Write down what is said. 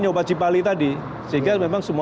nyoba cipali tadi sehingga memang semua